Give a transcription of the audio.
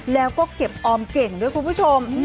แล้วก็เก็บออมเก่งด้วยคุณผู้ชม